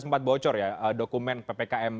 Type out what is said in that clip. sempat bocor ya dokumen ppkm